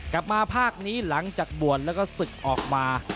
กลับมาภาคนี้หลังจากบ่วนและก็ศึกออกมา